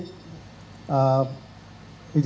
bergerak di bidang pemerintah